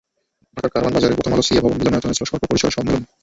ঢাকার কারওয়ান বাজারে প্রথম আলো সিএ ভবন মিলনায়তনে ছিল স্বল্প পরিসরে সম্মেলন।